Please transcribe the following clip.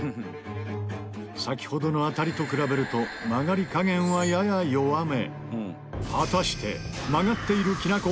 先ほどの当たりと比べると曲がり加減はやや弱め。